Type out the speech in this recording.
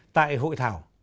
tại hội thảo